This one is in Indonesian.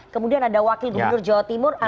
kemudian ada wakil gubernur jawa timur